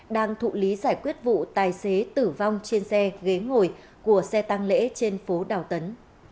đã đồng ý giải quyết vụ tài xế tử vong trên xe ghế ngồi của xe tăng lễ trên phố đào tấn